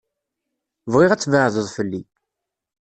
Bɣiɣ ad tbeɛded fell-i.